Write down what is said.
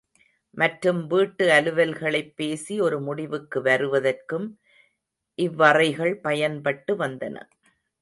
மற்றும் வீட்டு அலுவல்களைப் பேசி ஒரு முடிவுக்கு வருவதற்கும் இவ்வறைகள் பயன்பட்டு வந்தன.